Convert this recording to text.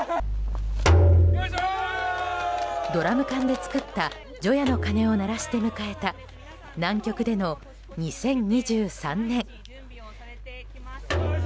ドラム缶で作った除夜の鐘を鳴らして迎えた南極での２０２３年。